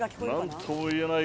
なんとも言えない